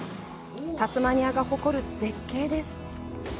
タスマニアが誇る絶景です。